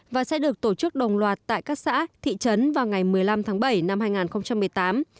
và sẽ được tổ chức đồng loạt tại các xã thị trấn vào ngày một mươi năm tháng bảy năm hai nghìn một mươi tám